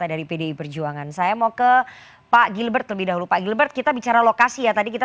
apateryu saya menyebutkan akan anti